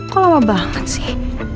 kok lama banget sih